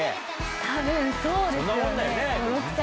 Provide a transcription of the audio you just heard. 多分そうですよね５６歳。